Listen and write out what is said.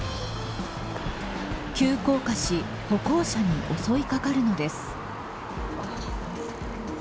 急降下し歩行者に襲いかかるのです。